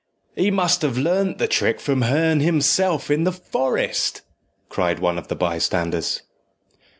"He must have learnt the trick from Herne himself in the forest," cried one of the bystanders.